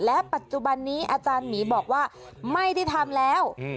และปัจจุบันนี้อาจารย์หมีบอกว่าไม่ได้ทำแล้ว